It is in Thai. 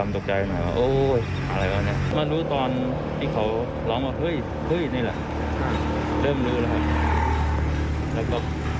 เริ่มรู้เลยครับ